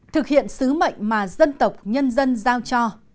thực hiện sứ mệnh mà dân tộc nhân dân giao cho